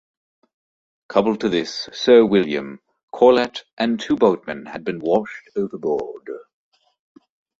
Coupled to this, Sir William, Corlett and two boatmen had been washed overboard.